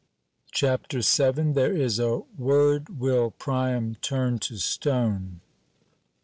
CHAPTER VII. "THERE IS A WORD WILL PRIAM TURN TO STONE."